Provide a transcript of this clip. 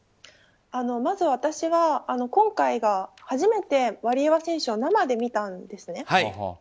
まず私は今回が初めてワリエワ選手を生で見たんですね。